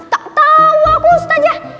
tak tahu aku ustazah